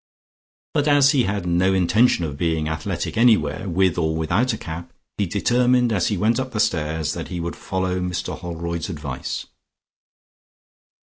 But as he had no intention of being athletic anywhere, with or without a cap, he determined as he went up the stairs that he would follow Mr Holroyd's advice.